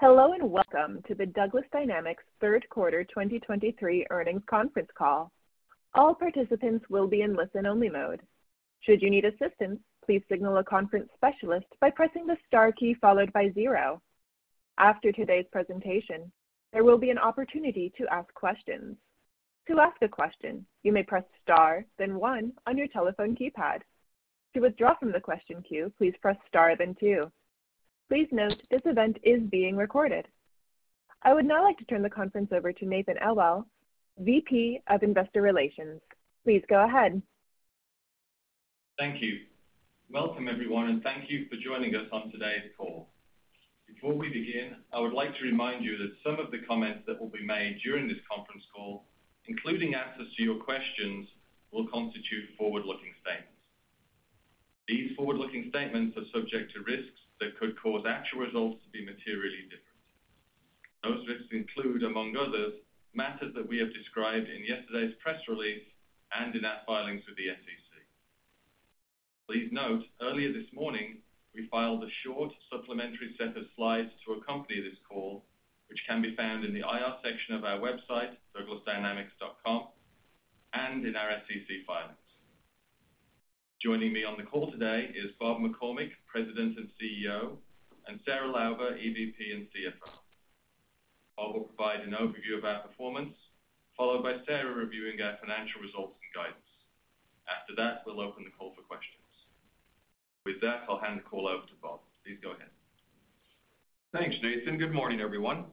Hello, and welcome to the Douglas Dynamics Third Quarter 2023 Earnings Conference Call. All participants will be in listen-only mode. Should you need assistance, please signal a conference specialist by pressing the star key followed by zero. After today's presentation, there will be an opportunity to ask questions. To ask a question, you may press star, then one on your telephone keypad. To withdraw from the question queue, please press star, then two. Please note, this event is being recorded. I would now like to turn the conference over to Nathan Elwell, VP of Investor Relations. Please go ahead. Thank you. Welcome, everyone, and thank you for joining us on today's call. Before we begin, I would like to remind you that some of the comments that will be made during this conference call, including answers to your questions, will constitute forward-looking statements. These forward-looking statements are subject to risks that could cause actual results to be materially different. Those risks include, among others, matters that we have described in yesterday's press release and in our filings with the SEC. Please note, earlier this morning, we filed a short supplementary set of slides to accompany this call, which can be found in the IR section of our website, douglasdynamics.com, and in our SEC filings. Joining me on the call today is Bob McCormick, President and CEO, and Sarah Lauber, EVP and CFO. I will provide an overview of our performance, followed by Sarah reviewing our financial results and guidance. After that, we'll open the call for questions. With that, I'll hand the call over to Bob. Please go ahead. Thanks, Nathan. Good morning, everyone.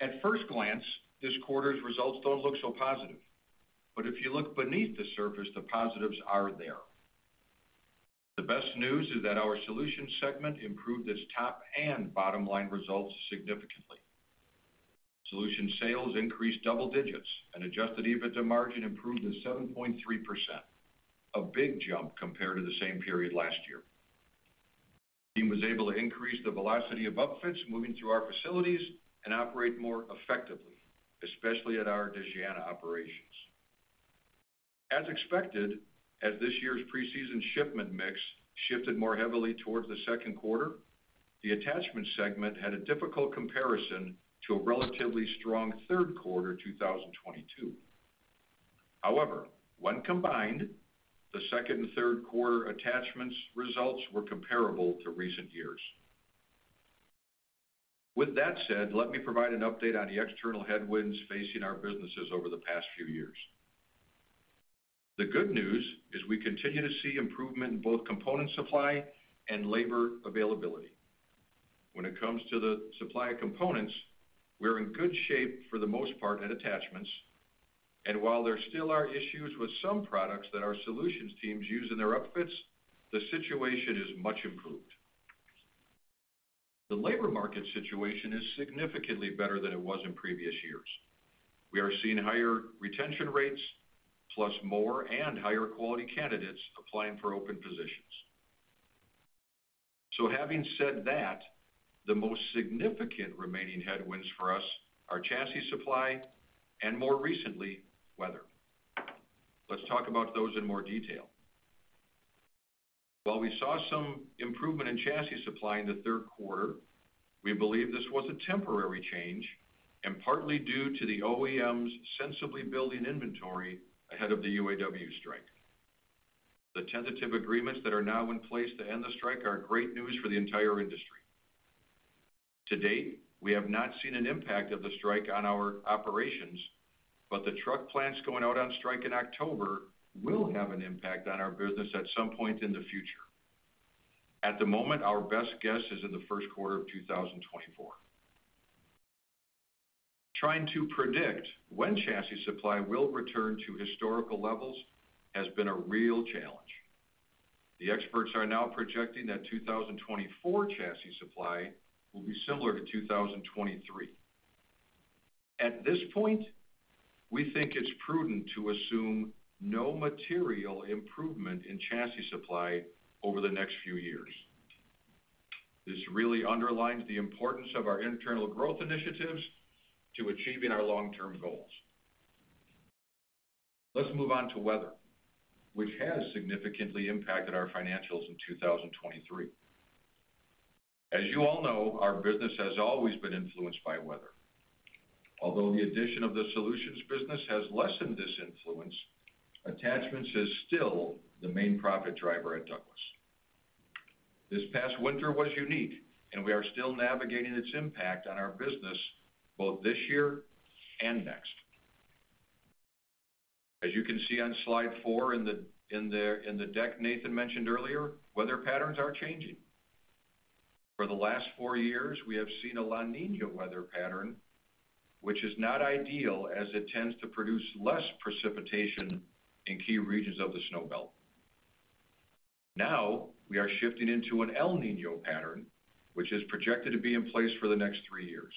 At first glance, this quarter's results don't look so positive, but if you look beneath the surface, the positives are there. The best news is that our Solutions segment improved its top and bottom-line results significantly. Solutions sales increased double digits, and Adjusted EBITDA margin improved to 7.3%, a big jump compared to the same period last year. Team was able to increase the velocity of upfits moving through our facilities and operate more effectively, especially at our Dejana operations. As expected, as this year's preseason shipment mix shifted more heavily towards the second quarter, the Attachment segment had a difficult comparison to a relatively strong third quarter, 2022. However, when combined, the second and third quarter Attachments results were comparable to recent years. With that said, let me provide an update on the external headwinds facing our businesses over the past few years. The good news is we continue to see improvement in both component supply and labor availability. When it comes to the supply of components, we're in good shape for the most part at Attachments, and while there still are issues with some products that our Solutions teams use in their upfits, the situation is much improved. The labor market situation is significantly better than it was in previous years. We are seeing higher retention rates, plus more and higher quality candidates applying for open positions. So having said that, the most significant remaining headwinds for us are chassis supply and more recently, weather. Let's talk about those in more detail. While we saw some improvement in chassis supply in the third quarter, we believe this was a temporary change and partly due to the OEMs sensibly building inventory ahead of the UAW strike. The tentative agreements that are now in place to end the strike are great news for the entire industry. To date, we have not seen an impact of the strike on our operations, but the truck plants going out on strike in October will have an impact on our business at some point in the future. At the moment, our best guess is in the first quarter of 2024. Trying to predict when chassis supply will return to historical levels has been a real challenge. The experts are now projecting that 2024 chassis supply will be similar to 2023. At this point, we think it's prudent to assume no material improvement in chassis supply over the next few years. This really underlines the importance of our internal growth initiatives to achieving our long-term goals. Let's move on to weather, which has significantly impacted our financials in 2023. As you all know, our business has always been influenced by weather. Although the addition of the Solutions business has lessened this influence, Attachments is still the main profit driver at Douglas. This past winter was unique, and we are still navigating its impact on our business, both this year and next. As you can see on slide four in the deck Nathan mentioned earlier, weather patterns are changing. For the last four years, we have seen a La Niña weather pattern, which is not ideal as it tends to produce less precipitation in key regions of the Snow Belt. Now, we are shifting into an El Niño pattern, which is projected to be in place for the next three years.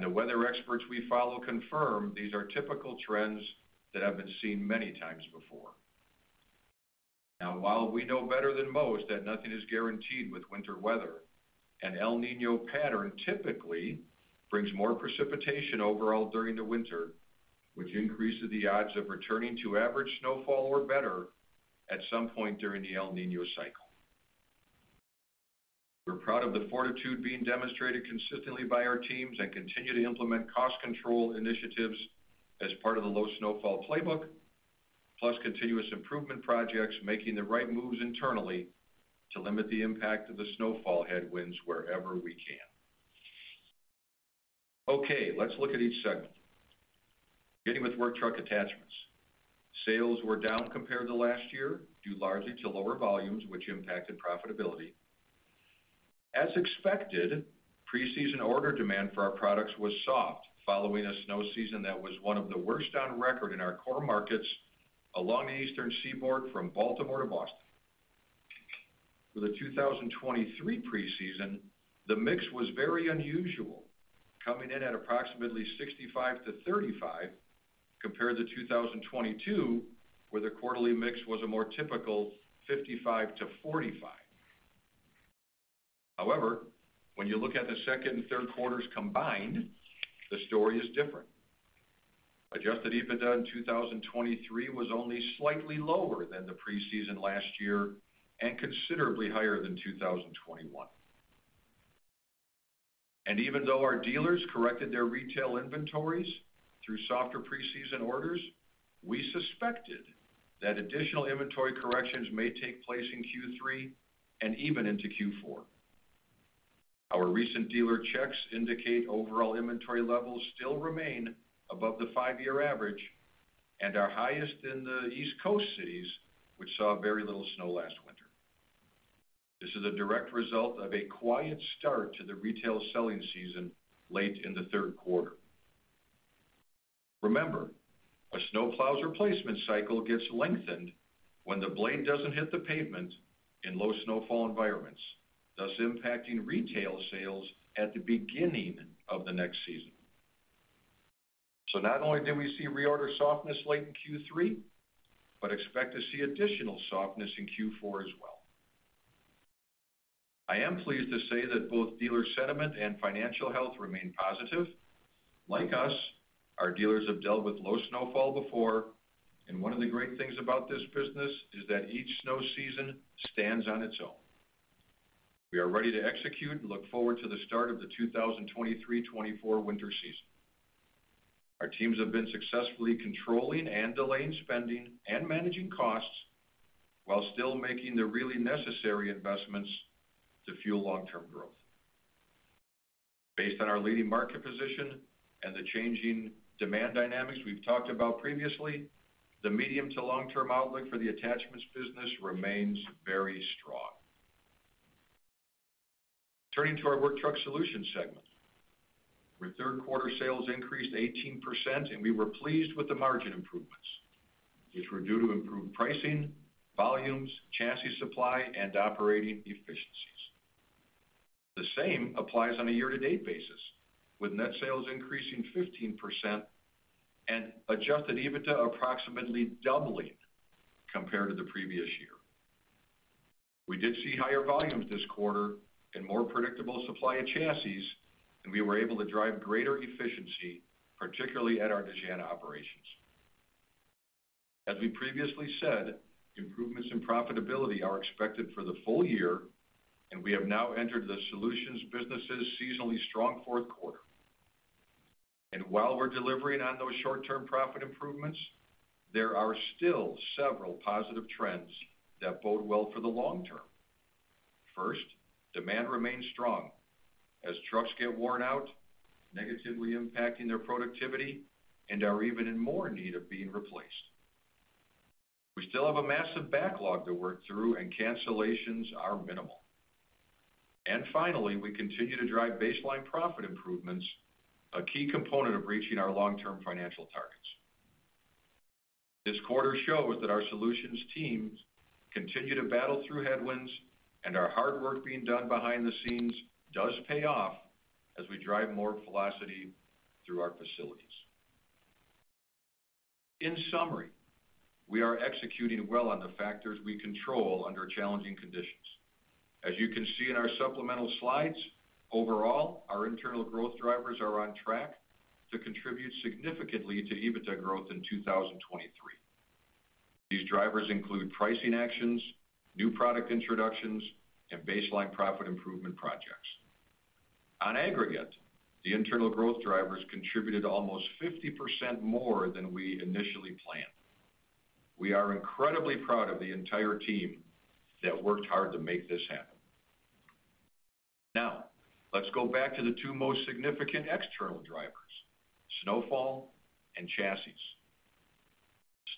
The weather experts we follow confirm these are typical trends that have been seen many times before. Now, while we know better than most that nothing is guaranteed with winter weather, an El Niño pattern typically brings more precipitation overall during the winter, which increases the odds of returning to average snowfall or better at some point during the El Niño cycle. We're proud of the fortitude being demonstrated consistently by our teams, and continue to implement cost control initiatives as part of the low snowfall playbook, plus continuous improvement projects, making the right moves internally to limit the impact of the snowfall headwinds wherever we can. Okay, let's look at each segment. Beginning with Work Truck Attachments. Sales were down compared to last year, due largely to lower volumes, which impacted profitability. As expected, preseason order demand for our products was soft, following a snow season that was one of the worst on record in our core markets along the Eastern Seaboard from Baltimore to Boston. For the 2023 preseason, the mix was very unusual, coming in at approximately 65/35, compared to 2022, where the quarterly mix was a more typical 55-45. However, when you look at the second and third quarters combined, the story is different. Adjusted EBITDA in 2023 was only slightly lower than the preseason last year and considerably higher than 2021. Even though our dealers corrected their retail inventories through softer preseason orders, we suspected that additional inventory corrections may take place in Q3 and even into Q4. Our recent dealer checks indicate overall inventory levels still remain above the five-year average and are highest in the East Coast cities, which saw very little snow last winter. This is a direct result of a quiet start to the retail selling season late in the third quarter. Remember, a snowplow's replacement cycle gets lengthened when the blade doesn't hit the pavement in low snowfall environments, thus impacting retail sales at the beginning of the next season. So not only did we see reorder softness late in Q3, but expect to see additional softness in Q4 as well. I am pleased to say that both dealer sentiment and financial health remain positive. Like us, our dealers have dealt with low snowfall before, and one of the great things about this business is that each snow season stands on its own. We are ready to execute and look forward to the start of the 2023-2024 winter season. Our teams have been successfully controlling and delaying spending and managing costs while still making the really necessary investments to fuel long-term growth. Based on our leading market position and the changing demand dynamics we've talked about previously, the medium- to long-term outlook for the Attachments business remains very strong. Turning to our Work Truck Solutions segment. Our third quarter sales increased 18%, and we were pleased with the margin improvements, which were due to improved pricing, volumes, chassis supply, and operating efficiencies. The same applies on a year-to-date basis, with net sales increasing 15% and Adjusted EBITDA approximately doubling compared to the previous year. We did see higher volumes this quarter and more predictable supply of chassis, and we were able to drive greater efficiency, particularly at our Dejana operations. As we previously said, improvements in profitability are expected for the full year, and we have now entered the Solutions business's seasonally strong fourth quarter. And while we're delivering on those short-term profit improvements, there are still several positive trends that bode well for the long term. First, demand remains strong as trucks get worn out, negatively impacting their productivity and are even in more need of being replaced. We still have a massive backlog to work through and cancellations are minimal. Finally, we continue to drive baseline profit improvements, a key component of reaching our long-term financial targets. This quarter shows that our Solutions teams continue to battle through headwinds, and our hard work being done behind the scenes does pay off as we drive more velocity through our facilities. In summary, we are executing well on the factors we control under challenging conditions. As you can see in our supplemental slides, overall, our internal growth drivers are on track to contribute significantly to EBITDA growth in 2023. These drivers include pricing actions, new product introductions, and baseline profit improvement projects. On aggregate, the internal growth drivers contributed almost 50% more than we initially planned. We are incredibly proud of the entire team that worked hard to make this happen. Now, let's go back to the two most significant external drivers, snowfall and chassis.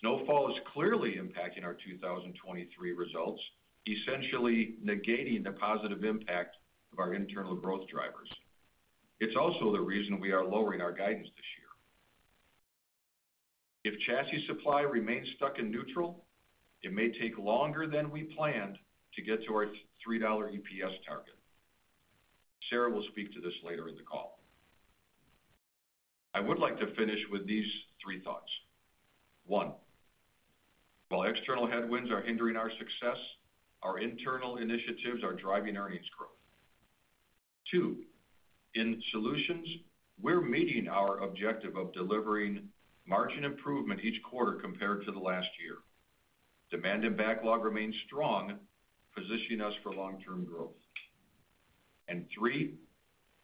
Snowfall is clearly impacting our 2023 results, essentially negating the positive impact of our internal growth drivers. It's also the reason we are lowering our guidance this year. If chassis supply remains stuck in neutral, it may take longer than we planned to get to our $3 EPS target. Sarah will speak to this later in the call. I would like to finish with these three thoughts. One, while external headwinds are hindering our success, our internal initiatives are driving earnings growth. Two, in Solutions, we're meeting our objective of delivering margin improvement each quarter compared to the last year. Demand and backlog remain strong, positioning us for long-term growth. Three,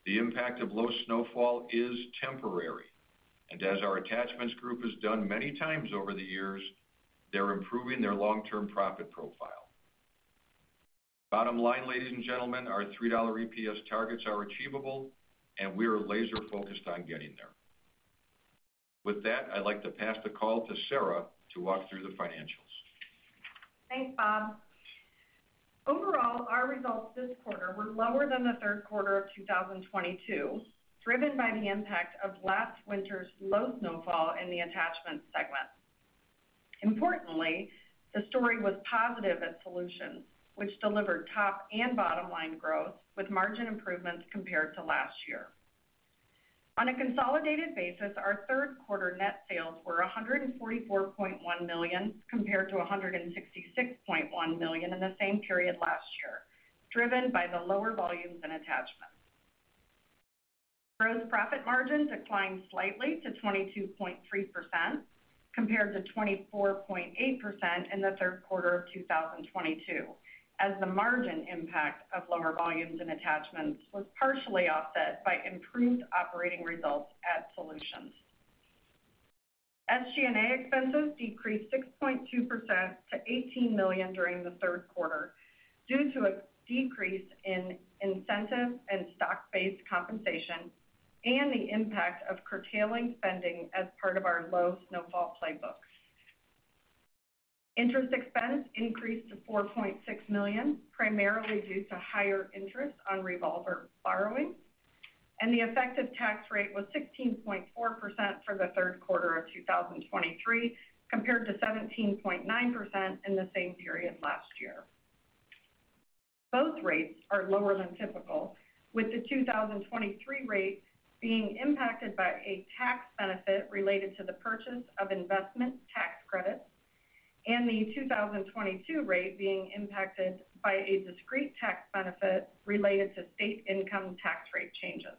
the impact of low snowfall is temporary, and as our Attachments group has done many times over the years, they're improving their long-term profit profile. Bottom line, ladies and gentlemen, our $3 EPS targets are achievable, and we are laser-focused on getting there. With that, I'd like to pass the call to Sarah to walk through the financials. Thanks, Bob. Overall, our results this quarter were lower than the third quarter of 2022, driven by the impact of last winter's low snowfall in the Attachment segment. Importantly, the story was positive at Solutions, which delivered top and bottom line growth, with margin improvements compared to last year. On a consolidated basis, our third quarter net sales were $144.1 million, compared to $166.1 million in the same period last year, driven by the lower volumes in Attachments. Gross profit margin declined slightly to 22.3%, compared to 24.8% in the third quarter of 2022, as the margin impact of lower volumes in Attachments was partially offset by improved operating results at Solutions. SG&A expenses decreased 6.2% to $18 million during the third quarter, due to a decrease in incentive and stock-based compensation and the impact of curtailing spending as part of our low snowfall playbooks. Interest expense increased to $4.6 million, primarily due to higher interest on revolver borrowing, and the effective tax rate was 16.4% for the third quarter of 2023, compared to 17.9% in the same period last year. Both rates are lower than typical, with the 2023 rate being impacted by a tax benefit related to the purchase of investment tax credits, and the 2022 rate being impacted by a discrete tax benefit related to state income tax rate changes.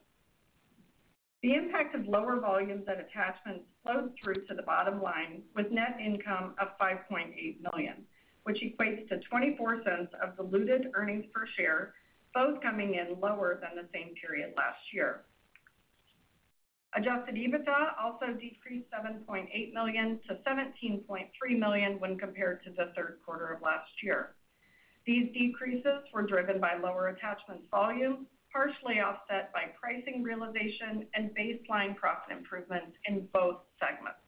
The impact of lower volumes in Attachments flowed through to the bottom line, with net income of $5.8 million, which equates to $0.24 of diluted earnings per share, both coming in lower than the same period last year. Adjusted EBITDA also decreased $7.8 million to $17.3 million when compared to the third quarter of last year. These decreases were driven by lower Attachment volume, partially offset by pricing realization and baseline profit improvements in both segments.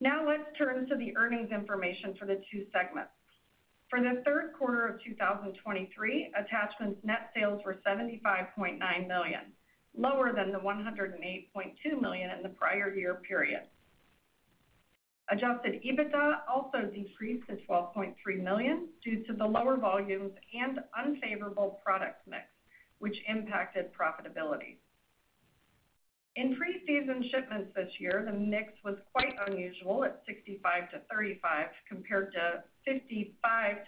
Now let's turn to the earnings information for the two segments. For the third quarter of 2023, Attachments net sales were $75.9 million, lower than the $108.2 million in the prior year period. Adjusted EBITDA also decreased to $12.3 million due to the lower volumes and unfavorable product mix, which impacted profitability. In preseason shipments this year, the mix was quite unusual at 65-35, compared to 55-45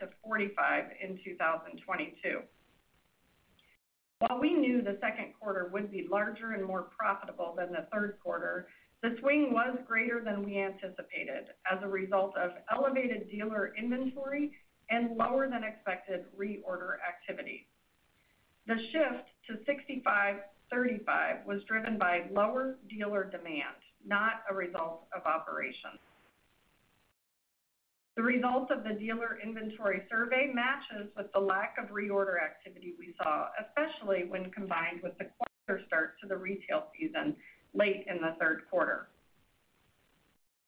in 2022. While we knew the second quarter would be larger and more profitable than the third quarter, the swing was greater than we anticipated as a result of elevated dealer inventory and lower than expected reorder activity. The shift to 65-35 was driven by lower dealer demand, not a result of operations. The results of the dealer inventory survey matches with the lack of reorder activity we saw, especially when combined with the quiet start to the retail season late in the third quarter.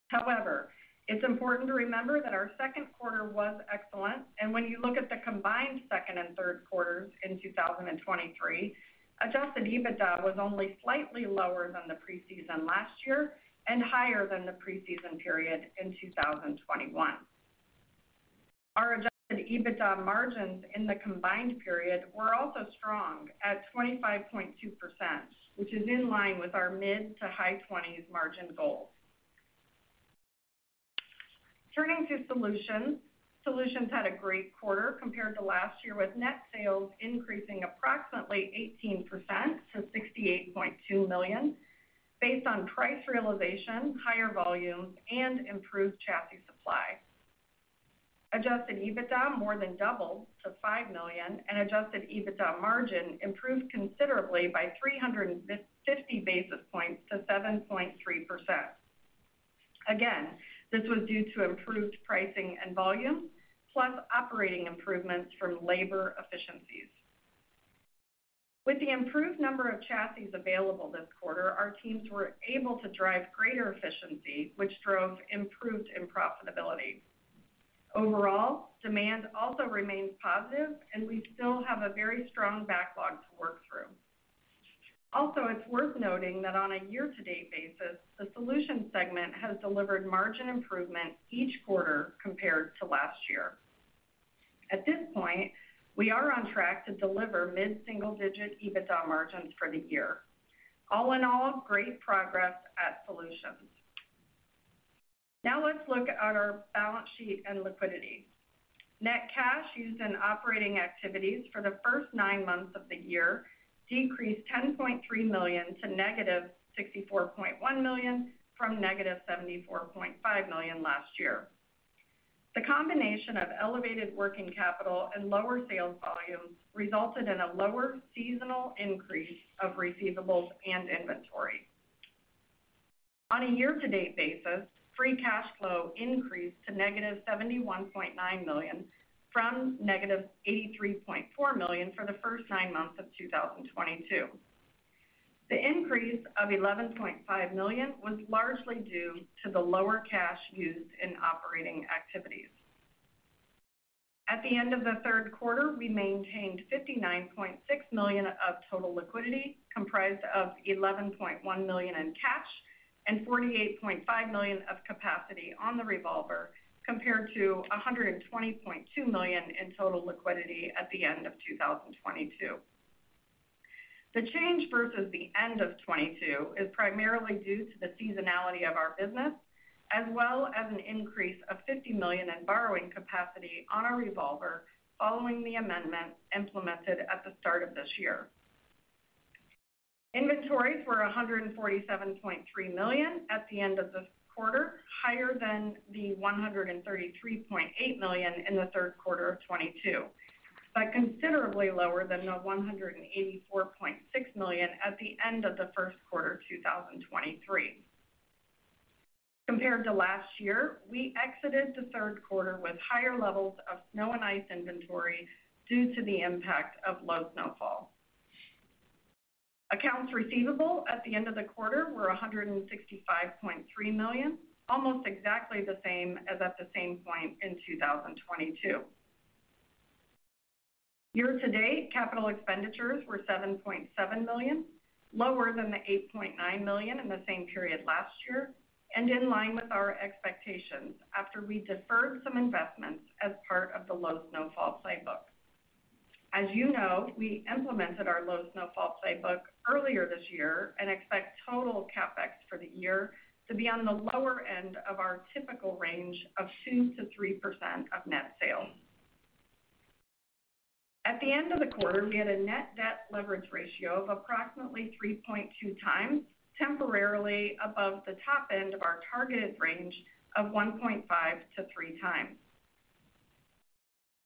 However, it's important to remember that our second quarter was excellent, and when you look at the combined second and third quarters in 2023, Adjusted EBITDA was only slightly lower than the preseason last year and higher than the preseason period in 2021. Our Adjusted EBITDA margins in the combined period were also strong at 25.2%, which is in line with our mid- to high-20s margin goal. Turning to Solutions. Solutions had a great quarter compared to last year, with net sales increasing approximately 18% to $68.2 million, based on price realization, higher volumes, and improved chassis supply. Adjusted EBITDA more than doubled to $5 million, and Adjusted EBITDA margin improved considerably by 350 basis points to 7.3%. Again, this was due to improved pricing and volume, plus operating improvements from labor efficiencies. With the improved number of chassis available this quarter, our teams were able to drive greater efficiency, which drove improved in profitability. Overall, demand also remains positive, and we still have a very strong backlog to work through. Also, it's worth noting that on a year-to-date basis, the Solutions segment has delivered margin improvement each quarter compared to last year. At this point, we are on track to deliver mid-single-digit EBITDA margins for the year. All in all, great progress at Solutions. Now let's look at our balance sheet and liquidity. Net cash used in operating activities for the first nine months of the year decreased $10.3 million to -$64.1 million, from -$74.5 million last year. The combination of elevated working capital and lower sales volumes resulted in a lower seasonal increase of receivables and inventory. On a year-to-date basis, free cash flow increased to -$71.9 million, from -$83.4 million for the first nine months of 2022. The increase of $11.5 million was largely due to the lower cash used in operating activities. At the end of the third quarter, we maintained $59.6 million of total liquidity, comprised of $11.1 million in cash and $48.5 million of capacity on the revolver, compared to $120.2 million in total liquidity at the end of 2022. The change versus the end of 2022 is primarily due to the seasonality of our business, as well as an increase of $50 million in borrowing capacity on our revolver following the amendment implemented at the start of this year. Inventories were $147.3 million at the end of this quarter, higher than the $133.8 million in the third quarter of 2022, but considerably lower than the $184.6 million at the end of the first quarter of 2023. Compared to last year, we exited the third quarter with higher levels of snow and ice inventory due to the impact of low snowfall. Accounts receivable at the end of the quarter were $165.3 million, almost exactly the same as at the same point in 2022. Year-to-date, capital expenditures were $7.7 million, lower than the $8.9 million in the same period last year, and in line with our expectations after we deferred some investments as part of the low snowfall playbook. As you know, we implemented our low snowfall playbook earlier this year and expect total CapEx for the year to be on the lower end of our typical range of 2%-3% of net sales. At the end of the quarter, we had a net debt leverage ratio of approximately 3.2 times, temporarily above the top end of our targeted range of 1.5-3 times.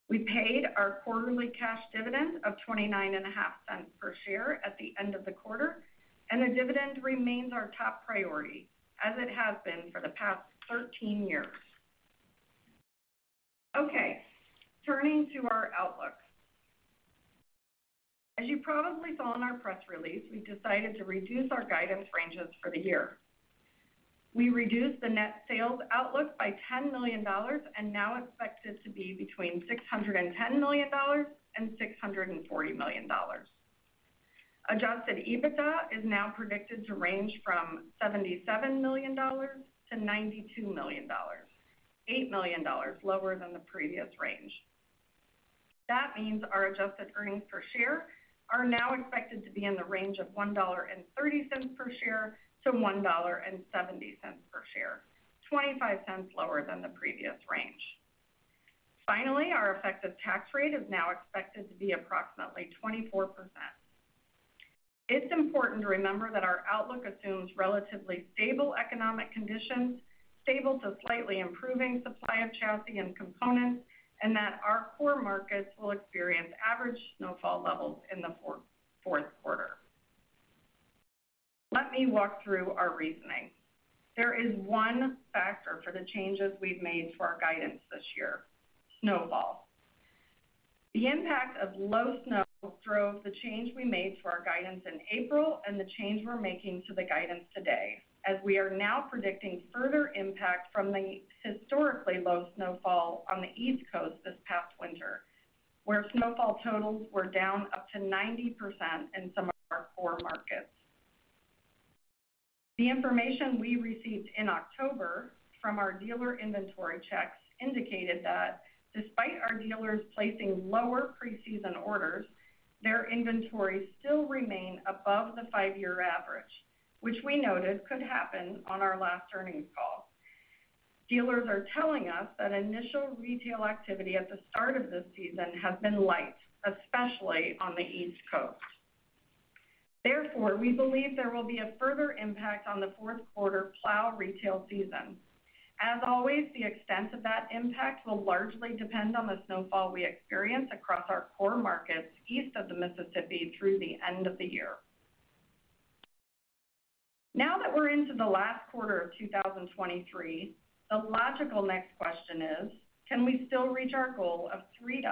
We paid our quarterly cash dividend of $0.295 per share at the end of the quarter, and the dividend remains our top priority, as it has been for the past 13 years. Okay, turning to our outlook. As you probably saw in our press release, we decided to reduce our guidance ranges for the year. We reduced the net sales outlook by $10 million and now expect it to be between $610 million and $640 million. Adjusted EBITDA is now predicted to range from $77 million to $92 million, $8 million lower than the previous range. That means our Adjusted Earnings Per Share are now expected to be in the range of $1.30 per share to $1.70 per share, $0.25 lower than the previous range. Finally, our effective tax rate is now expected to be approximately 24%. It's important to remember that our outlook assumes relatively stable economic conditions, stable to slightly improving supply of chassis and components, and that our core markets will experience average snowfall levels in the fourth quarter. Let me walk through our reasoning. There is one factor for the changes we've made to our guidance this year: snowfall. The impact of low snow drove the change we made to our guidance in April and the change we're making to the guidance today, as we are now predicting further impact from the historically low snowfall on the East Coast this past winter, where snowfall totals were down up to 90% in some of our core markets. The information we received in October from our dealer inventory checks indicated that despite our dealers placing lower preseason orders, their inventories still remain above the five-year average, which we noted could happen on our last earnings call. Dealers are telling us that initial retail activity at the start of the season has been light, especially on the East Coast. Therefore, we believe there will be a further impact on the fourth quarter plow retail season. As always, the extent of that impact will largely depend on the snowfall we experience across our core markets east of the Mississippi through the end of the year. Now that we're into the last quarter of 2023, the logical next question is: Can we still reach our goal of $3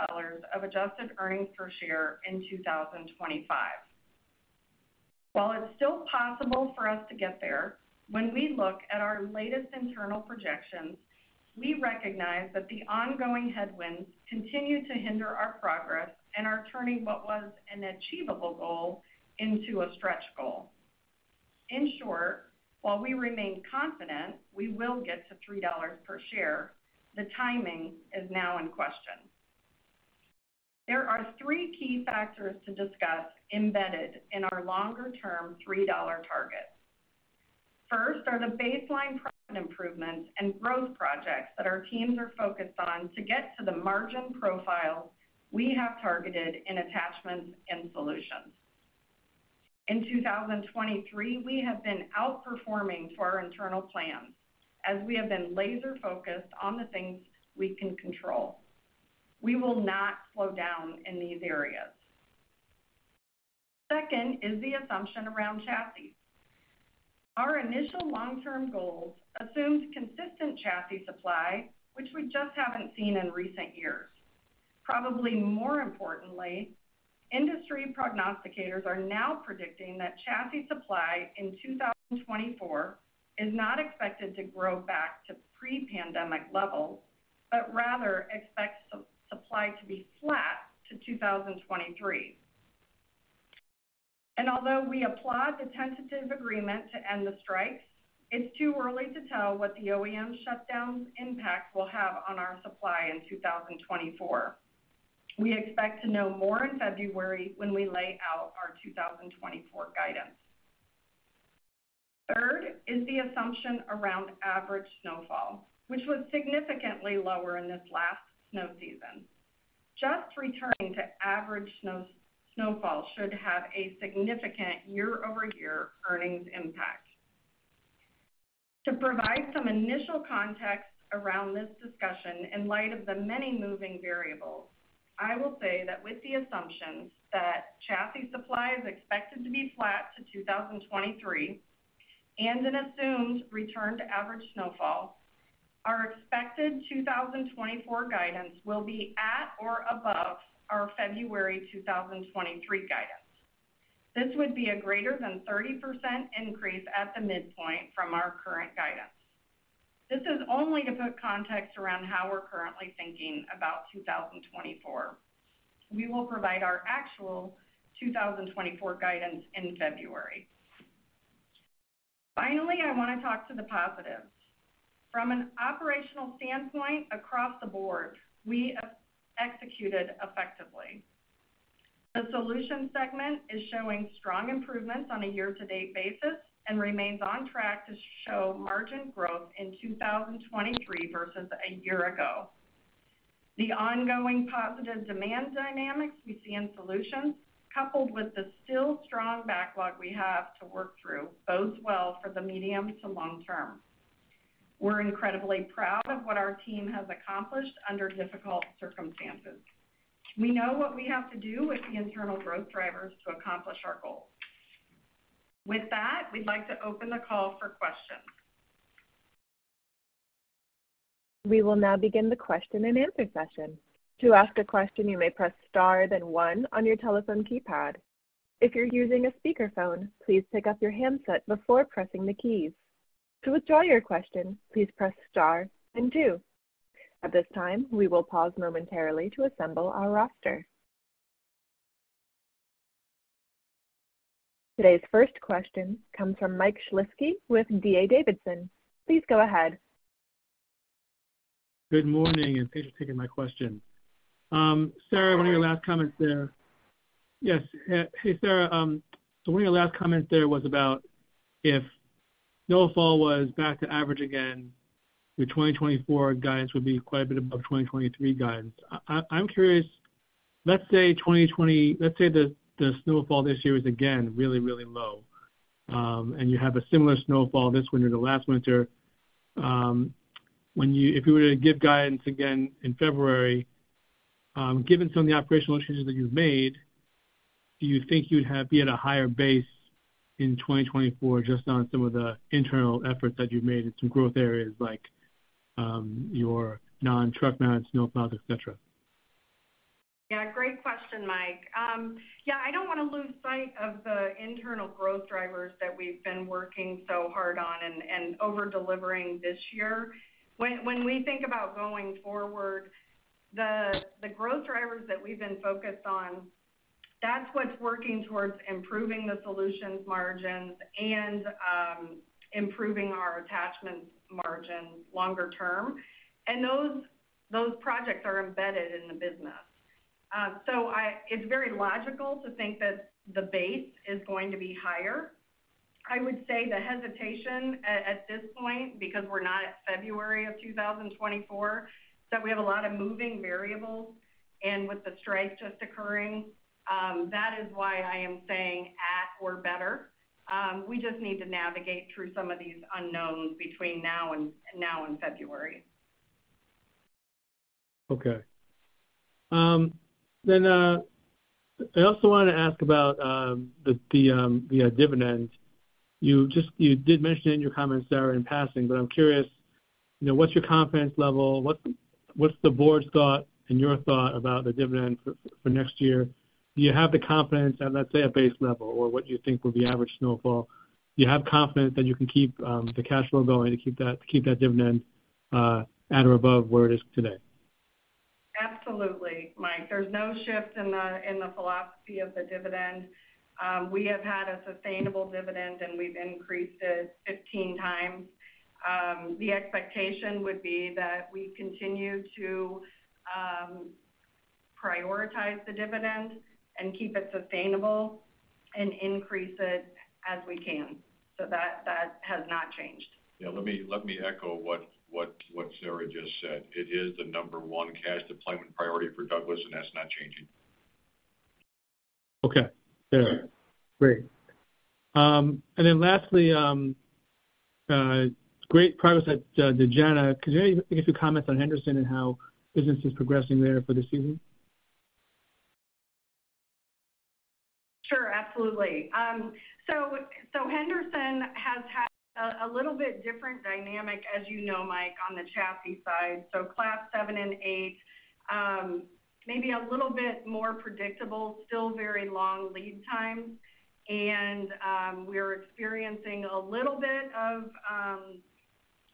of Adjusted Earnings Per Share in 2025? While it's still possible for us to get there, when we look at our latest internal projections, we recognize that the ongoing headwinds continue to hinder our progress and are turning what was an achievable goal into a stretch goal. In short, while we remain confident we will get to $3 per share, the timing is now in question. There are three key factors to discuss embedded in our longer-term $3 target. First are the baseline profit improvements and growth projects that our teams are focused on to get to the margin profile we have targeted in Attachments and Solutions. In 2023, we have been outperforming to our internal plans as we have been laser-focused on the things we can control. We will not slow down in these areas. Second is the assumption around chassis. Our initial long-term goals assumed consistent chassis supply, which we just haven't seen in recent years. Probably more importantly, industry prognosticators are now predicting that chassis supply in 2024 is not expected to grow back to pre-pandemic levels, but rather expects supply to be flat to 2023. Although we applaud the tentative agreement to end the strike, it's too early to tell what the OEM shutdown's impact will have on our supply in 2024. We expect to know more in February when we lay out our 2024 guidance. Third is the assumption around average snowfall, which was significantly lower in this last snow season. Just returning to average snow, snowfall should have a significant year-over-year earnings impact. To provide some initial context around this discussion in light of the many moving variables, I will say that with the assumptions that chassis supply is expected to be flat to 2023, and an assumed return to average snowfall, our expected 2024 guidance will be at or above our February 2023 guidance. This would be a greater than 30% increase at the midpoint from our current guidance. This is only to put context around how we're currently thinking about 2024. We will provide our actual 2024 guidance in February. Finally, I want to talk to the positives. From an operational standpoint across the board, we have executed effectively. The Solutions segment is showing strong improvements on a year-to-date basis and remains on track to show margin growth in 2023 versus a year ago. The ongoing positive demand dynamics we see in Solutions, coupled with the still strong backlog we have to work through, bodes well for the medium to long term. We're incredibly proud of what our team has accomplished under difficult circumstances. We know what we have to do with the internal growth drivers to accomplish our goal. With that, we'd like to open the call for questions. We will now begin the question-and-answer session. To ask a question, you may press star, then one on your telephone keypad. If you're using a speakerphone, please pick up your handset before pressing the keys. To withdraw your question, please press star and two. At this time, we will pause momentarily to assemble our roster. Today's first question comes from Mike Shlisky with D.A. Davidson. Please go ahead. Good morning, and thanks for taking my question. Sarah, one of your last comments there. Yes. Hey, Sarah, so one of your last comments there was about if snowfall was back to average again, your 2024 guidance would be quite a bit above 2023 guidance. I'm curious, let's say the snowfall this year is again, really, really low, and you have a similar snowfall this winter to last winter. If you were to give guidance again in February, given some of the operational issues that you've made, do you think you'd have be at a higher base in 2024 just on some of the internal efforts that you've made in some growth areas like your non-truck mount, snowplows, etc? Yeah, great question, Mike. Yeah, I don't want to lose sight of the internal growth drivers that we've been working so hard on and over-delivering this year. When we think about going forward, the growth drivers that we've been focused on, that's what's working towards improving the Solutions margins and improving our Attachments margins longer term. And those projects are embedded in the business. So it's very logical to think that the base is going to be higher. I would say the hesitation at this point, because we're not at February 2024, is that we have a lot of moving variables, and with the strike just occurring, that is why I am saying at or better. We just need to navigate through some of these unknowns between now and February. Okay. Then, I also want to ask about the dividend. You just, you did mention in your comments, Sarah, in passing, but I'm curious, you know, what's your confidence level? What's the board's thought and your thought about the dividend for next year? Do you have the confidence at, let's say, a base level, or what do you think will be average snowfall? Do you have confidence that you can keep the cash flow going to keep that dividend at or above where it is today? Absolutely, Mike. There's no shift in the philosophy of the dividend. We have had a sustainable dividend, and we've increased it 15 times. The expectation would be that we continue to prioritize the dividend and keep it sustainable and increase it as we can. So that, that has not changed. Yeah, let me echo what Sarah just said. It is the number one cash deployment priority for Douglas, and that's not changing. Okay. Yeah, great. And then lastly, great progress at Dejana. Could you give a few comments on Henderson and how business is progressing there for the season? Sure, absolutely. So, Henderson has had a little bit different dynamic, as you know, Mike, on the chassis side. So Class 7 and 8, maybe a little bit more predictable, still very long lead times. And, we're experiencing a little bit of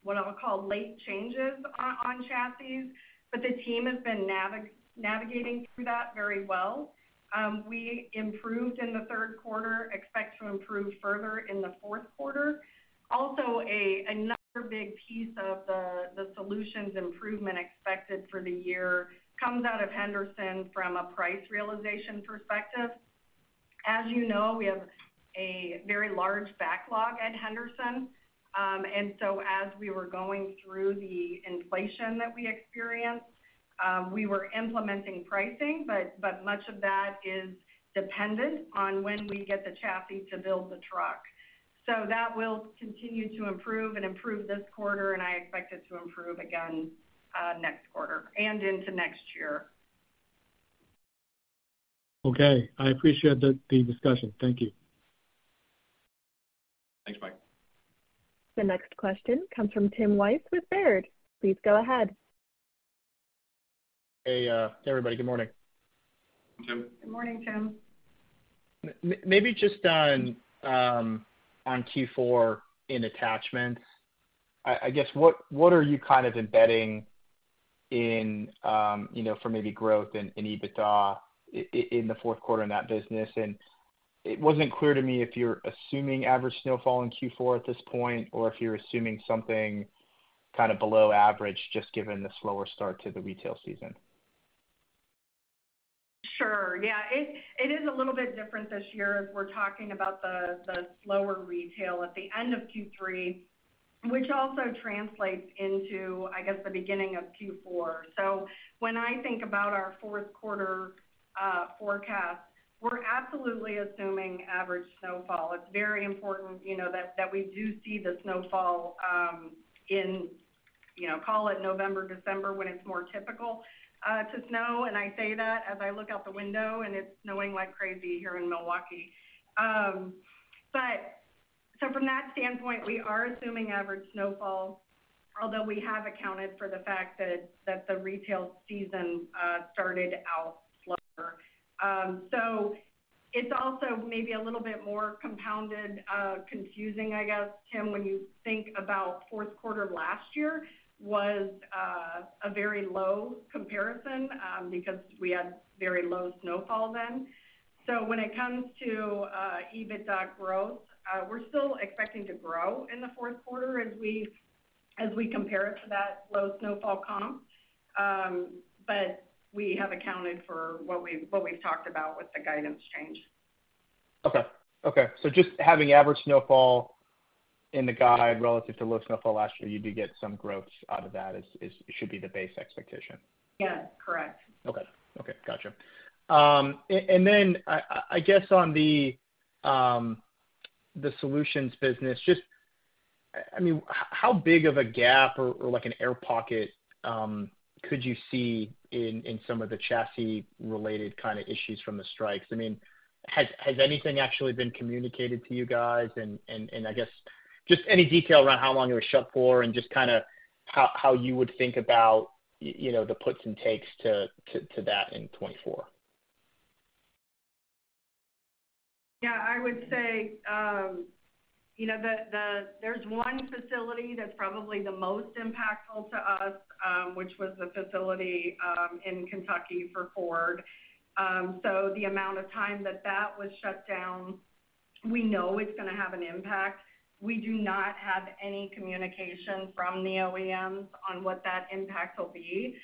what I would call late changes on chassis, but the team has been navigating through that very well. We improved in the third quarter, expect to improve further in the fourth quarter. Also, another big piece of the Solutions improvement expected for the year comes out of Henderson from a price realization perspective. As you know, we have a very large backlog at Henderson. And so as we were going through the inflation that we experienced, we were implementing pricing, but much of that is dependent on when we get the chassis to build the truck. So that will continue to improve and improve this quarter, and I expect it to improve again next quarter and into next year. Okay. I appreciate the discussion. Thank you. Thanks, Mike. The next question comes from Tim Wojs with Baird. Please go ahead. Hey, everybody. Good morning. Hey, Tim. Good morning, Tim. Maybe just on Q4 in Attachments. I guess what are you kind of embedding in, you know, for maybe growth in EBITDA in the fourth quarter in that business? And it wasn't clear to me if you're assuming average snowfall in Q4 at this point, or if you're assuming something kind of below average, just given the slower start to the retail season. Sure. Yeah, it is a little bit different this year as we're talking about the slower retail at the end of Q3, which also translates into, I guess, the beginning of Q4. So when I think about our fourth quarter forecast, we're absolutely assuming average snowfall. It's very important, you know, that we do see the snowfall in, you know, call it November, December, when it's more typical to snow. And I say that as I look out the window, and it's snowing like crazy here in Milwaukee. But so from that standpoint, we are assuming average snowfall, although we have accounted for the fact that the retail season started out slower. So it's also maybe a little bit more compounded, confusing, I guess, Tim, when you think about fourth quarter last year was a very low comparison, because we had very low snowfall then. So when it comes to EBITDA growth, we're still expecting to grow in the fourth quarter as we compare it to that low snowfall comp. But we have accounted for what we've talked about with the guidance change. Okay. Okay, so just having average snowfall in the guide relative to low snowfall last year, you do get some growth out of that. Should be the base expectation? Yeah, correct. Okay. Okay, got you. And then I guess on the Solutions business, just I mean how big of a gap or like an air pocket could you see in some of the chassis-related kind of issues from the strikes? I mean, has anything actually been communicated to you guys? And I guess just any detail around how long it was shut for and just kind of how you would think about, you know, the puts and takes to that in 2024. Yeah, I would say, you know, there's one facility that's probably the most impactful to us, which was the facility in Kentucky for Ford. So the amount of time that that was shut down, we know it's going to have an impact. We do not have any communication from the OEMs on what that impact will be,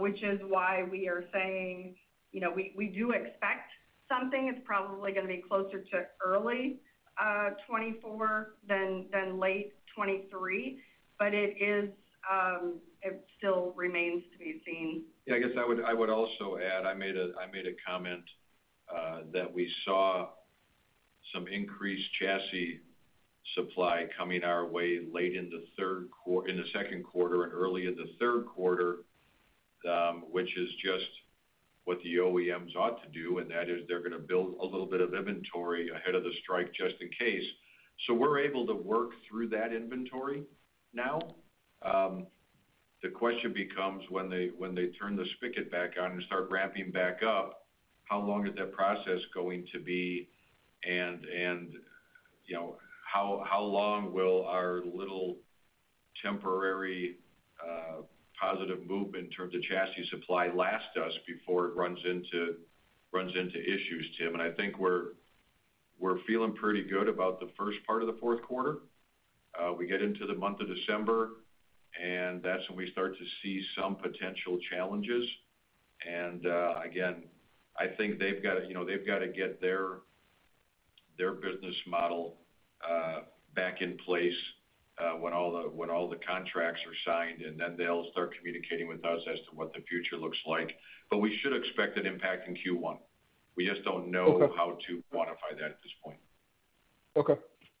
which is why we are saying, you know, we do expect something. It's probably going to be closer to early 2024 than late 2023, but it is, it still remains to be seen. Yeah, I guess I would, I would also add, I made a, I made a comment that we saw some increased chassis supply coming our way late in the third quarter, in the second quarter and early in the third quarter, which is just what the OEMs ought to do, and that is they're going to build a little bit of inventory ahead of the strike, just in case. So we're able to work through that inventory now. The question becomes when they, when they turn the spigot back on and start ramping back up, how long is that process going to be? And, and, you know, how, how long will our little temporary positive move in terms of chassis supply last us before it runs into, runs into issues, Tim? And I think we're. We're feeling pretty good about the first part of the fourth quarter. We get into the month of December, and that's when we start to see some potential challenges. And, again, I think they've got, you know, they've got to get their business model back in place, when all the contracts are signed, and then they'll start communicating with us as to what the future looks like. But we should expect an impact in Q1. We just don't know how to quantify that at this point.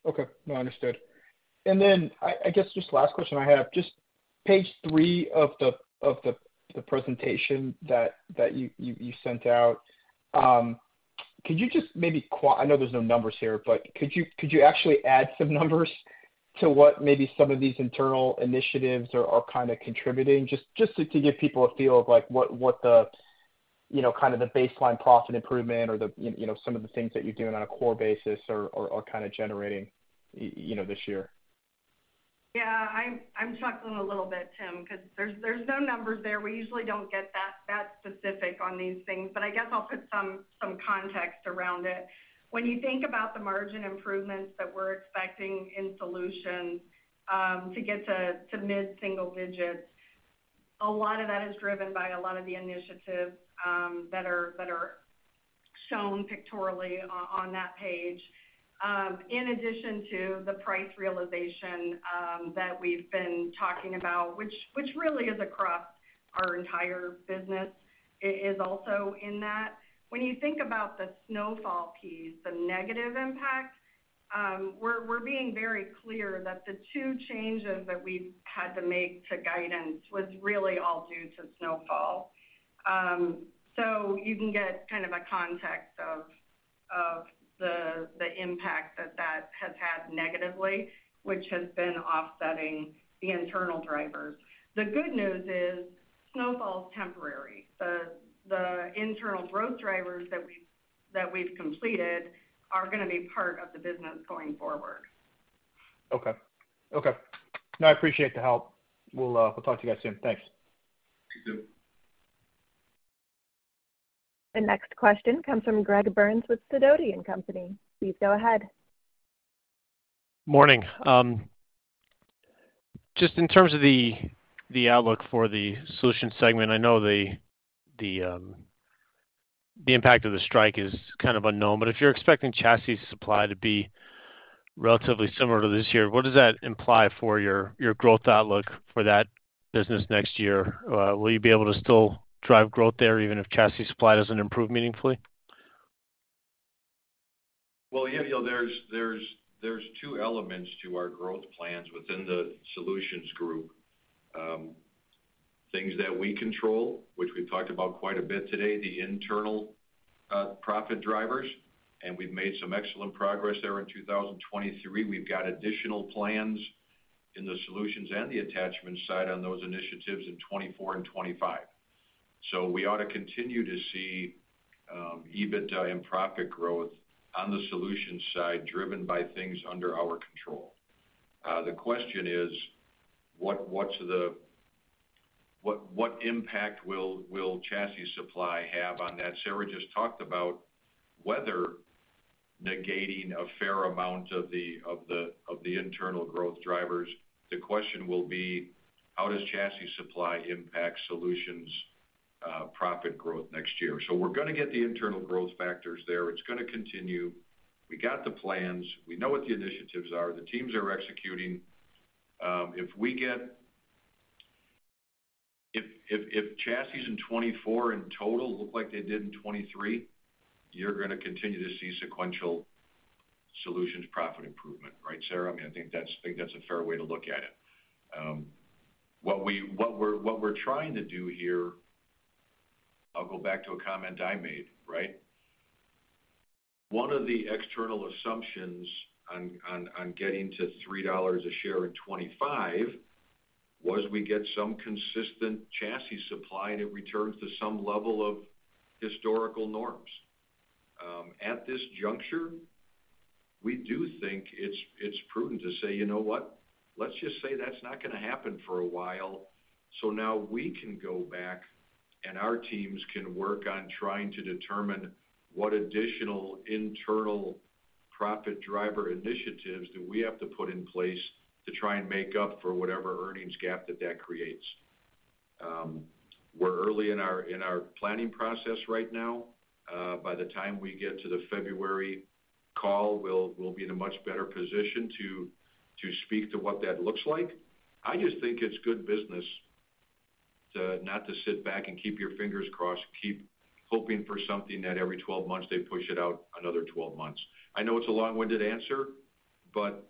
Okay. No, understood. And then I guess, just last question I have, just page three of the presentation that you sent out. Could you just maybe? I know there's no numbers here, but could you actually add some numbers to what maybe some of these internal initiatives are kind of contributing? Just to give people a feel of like what the you know, kind of the baseline profit improvement or the you know, some of the things that you're doing on a core basis are kind of generating you know, this year. Yeah, I'm chuckling a little bit, Tim, because there's no numbers there. We usually don't get that specific on these things, but I guess I'll put some context around it. When you think about the margin improvements that we're expecting in Solutions, to get to mid-single digits, a lot of that is driven by a lot of the initiatives that are shown pictorially on that page. In addition to the price realization that we've been talking about, which really is across our entire business, is also in that. When you think about the snowfall piece, the negative impact, we're being very clear that the two changes that we've had to make to guidance was really all due to snowfall. So you can get kind of a context of the impact that that has had negatively, which has been offsetting the internal drivers. The good news is, snowfall is temporary. The internal growth drivers that we've completed are gonna be part of the business going forward. Okay. Okay. No, I appreciate the help. We'll, we'll talk to you guys soon. Thanks. Thank you. The next question comes from Greg Burns with Sidoti & Company. Please go ahead. Morning. Just in terms of the impact of the strike is kind of unknown, but if you're expecting chassis supply to be relatively similar to this year, what does that imply for your growth outlook for that business next year? Will you be able to still drive growth there, even if chassis supply doesn't improve meaningfully? Well, yeah, you know, there's two elements to our growth plans within the Solutions group. Things that we control, which we've talked about quite a bit today, the internal profit drivers, and we've made some excellent progress there in 2023. We've got additional plans in the Solutions and the Attachment side on those initiatives in 2024 and 2025. So we ought to continue to see EBITDA and profit growth on the Solutions side, driven by things under our control. The question is, what's the impact will chassis supply have on that? Sarah just talked about weather negating a fair amount of the internal growth drivers. The question will be, how does chassis supply impact Solutions profit growth next year? So we're gonna get the internal growth factors there. It's gonna continue. We got the plans. We know what the initiatives are. The teams are executing. If we get chassis in 2024 in total look like they did in 2023, you're gonna continue to see sequential Solutions profit improvement. Right, Sarah? I mean, I think that's a fair way to look at it. What we're trying to do here, I'll go back to a comment I made, right? One of the external assumptions on getting to $3 a share in 2025, was we get some consistent chassis supply, and it returns to some level of historical norms. At this juncture, we do think it's prudent to say, "You know what? Let's just say that's not gonna happen for a while." So now we can go back and our teams can work on trying to determine what additional internal profit driver initiatives do we have to put in place to try and make up for whatever earnings gap that that creates. We're early in our, in our planning process right now. By the time we get to the February call, we'll, we'll be in a much better position to, to speak to what that looks like. I just think it's good business to not to sit back and keep your fingers crossed, keep hoping for something that every 12 months, they push it out another 12 months. I know it's a long-winded answer, but,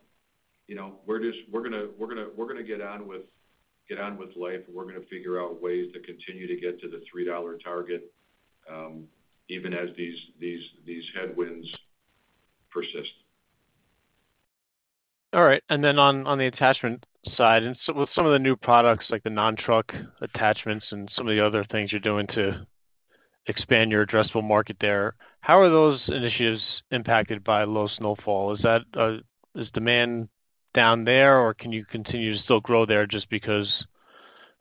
you know, we're just gonna get on with life, and we're gonna figure out ways to continue to get to the $3 target, even as these headwinds persist. All right. And then on the Attachment side, and so with some of the new products, like the non-truck attachments and some of the other things you're doing to expand your addressable market there, how are those initiatives impacted by low snowfall? Is that, is demand down there, or can you continue to still grow there just because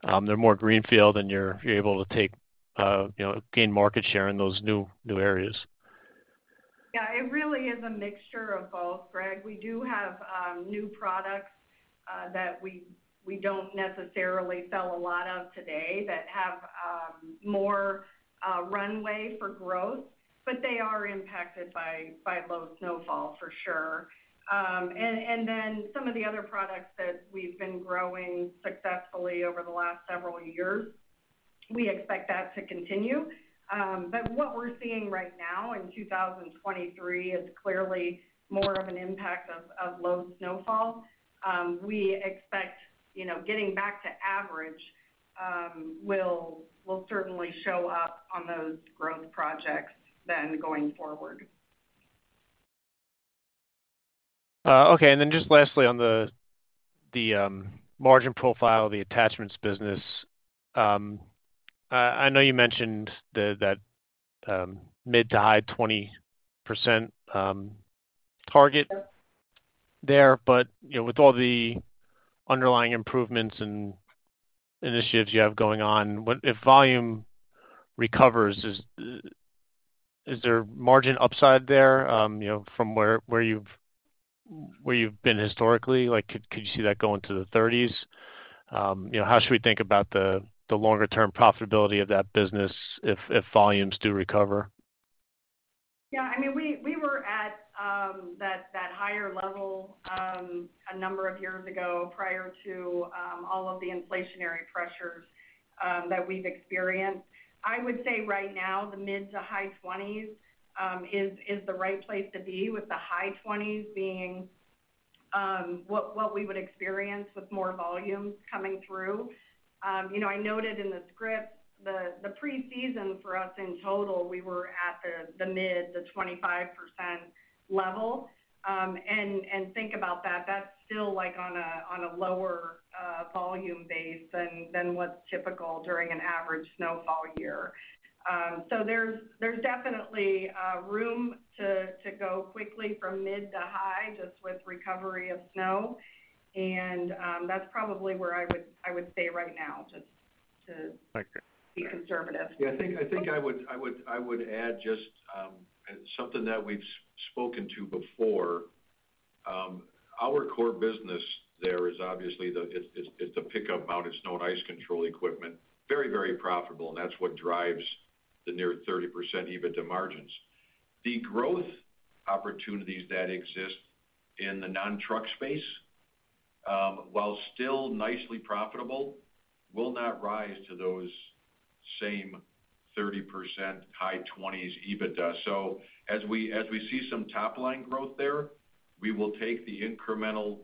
they're more greenfield, and you're able to take, you know, gain market share in those new areas? Yeah, it really is a mixture of both, Greg. We do have new products that we don't necessarily sell a lot of today that have more runway for growth, but they are impacted by low snowfall for sure. And then some of the other products that we've been growing successfully over the last several years, we expect that to continue. But what we're seeing right now in 2023 is clearly more of an impact of low snowfall. We expect, you know, getting back to average will certainly show up on those growth projects then going forward. Okay. And then just lastly, on the margin profile, the Attachments business. I know you mentioned that mid- to high 20% target there, but you know, with all the underlying improvements and initiatives you have going on, what if volume recovers, is there margin upside there, you know, from where you've been historically? Like, could you see that going to the 30s? You know, how should we think about the longer-term profitability of that business if volumes do recover? Yeah, I mean, we were at that higher level a number of years ago prior to all of the inflationary pressures that we've experienced. I would say right now, the mid- to high 20s is the right place to be, with the high 20s being what we would experience with more volumes coming through. You know, I noted in the script the preseason for us in total, we were at the mid-25% level. And think about that, that's still, like, on a lower volume base than what's typical during an average snowfall year. So there's definitely room to go quickly from mid- to high 20s, just with recovery of snow. And that's probably where I would say right now, just to. Okay. Be conservative. Yeah, I think, I think I would, I would, I would add just something that we've spoken to before. Our core business there is obviously the, it's, it's, it's the pickup-mounted snow and ice control equipment. Very, very profitable, and that's what drives the near 30% EBITDA margins. The growth opportunities that exist in the non-truck space, while still nicely profitable, will not rise to those same 30%, high 20s EBITDA. So as we, as we see some top-line growth there, we will take the incremental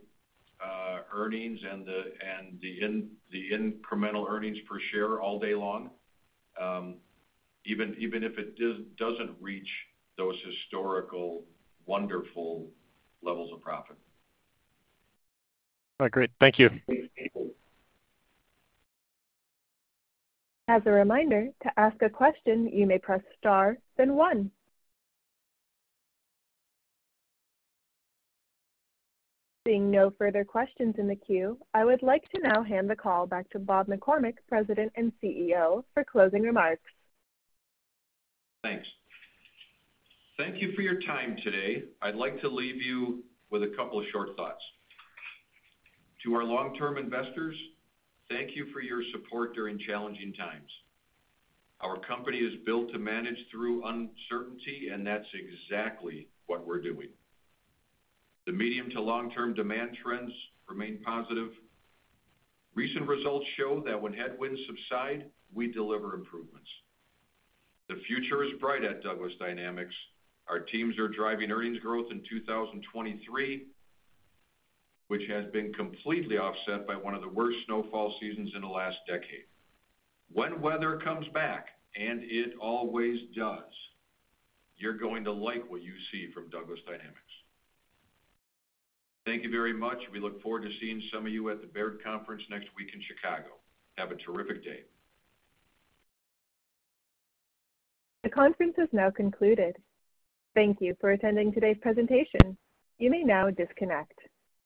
earnings and the incremental earnings per share all day long, even if it doesn't reach those historical, wonderful levels of profit. All right, great. Thank you. As a reminder, to ask a question, you may press star, then One. Seeing no further questions in the queue, I would like to now hand the call back to Bob McCormick, President and CEO, for closing remarks. Thanks. Thank you for your time today. I'd like to leave you with a couple of short thoughts. To our long-term investors, thank you for your support during challenging times. Our company is built to manage through uncertainty, and that's exactly what we're doing. The medium to long-term demand trends remain positive. Recent results show that when headwinds subside, we deliver improvements. The future is bright at Douglas Dynamics. Our teams are driving earnings growth in 2023, which has been completely offset by one of the worst snowfall seasons in the last decade. When weather comes back, and it always does, you're going to like what you see from Douglas Dynamics. Thank you very much. We look forward to seeing some of you at the Baird Conference next week in Chicago. Have a terrific day! The conference is now concluded. Thank you for attending today's presentation. You may now disconnect.